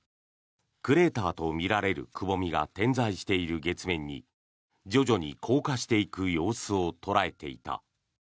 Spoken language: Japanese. クレーターとみられるくぼみが点在している月面に徐々に降下していく様子を捉えていた。